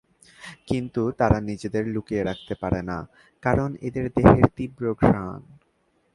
কিন্তু তারা নিজেদের লুকিয়ে রাখতে পারে না, কারণ এদের দেহের তীব্র ঘ্রাণ।